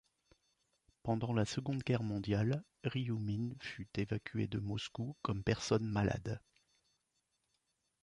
Pendant la Seconde Guerre mondiale, Rioumine fut évacué de Moscou comme personne malade.